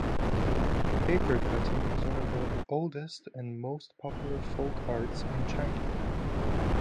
Paper-cutting is one of the oldest and the most popular folk arts in China.